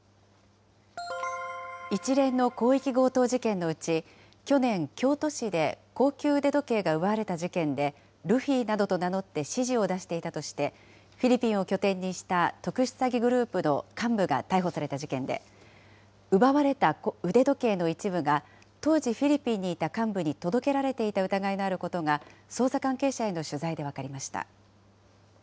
一連の広域強盗事件のうち、去年、京都市で高級腕時計が奪われた事件で、ルフィなどと名乗って指示を出していたとして、フィリピンを拠点にした特殊詐欺グループの幹部が逮捕された事件で、奪われた腕時計の一部が、当時、フィリピンにいた幹部に届けられていた疑いのあることが、捜査関係者への取材で分かりました。